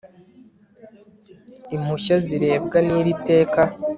impushya zirebwa n'iri teka